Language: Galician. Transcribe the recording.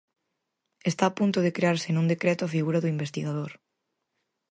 Está a punto de crearse nun decreto a figura do investigador.